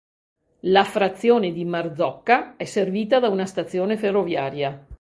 La frazione di Marzocca è servita da una stazione ferroviaria.